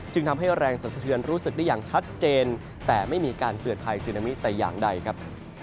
จึงทำให้แรงสะเทือนรู้สึกได้อย่างชัดเจนแต่ไม่มีการเผื่อดภัยศูนย์อันนี้แต่อย่างใดครับ